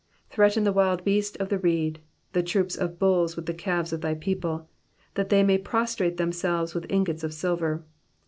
31 Threaten the wild beast of the reed, the troops of bulls with the calves of the people, That they may prostrate themselves with ingots of silver